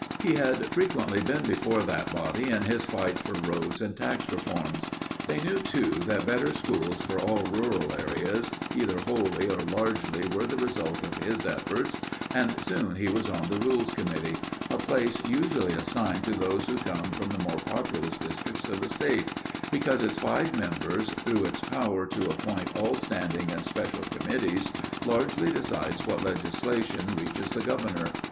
He had frequently been before that body in his fight for roads and tax reforms. They knew too that better schools for all rural areas either wholly or largely were the result of his efforts, and soon he was on the Rules Committee—a place usually assigned to those who come from the more populous districts of the state, because its five members through its power to appoint all standing and special committees, largely decide what legislation reaches the governor.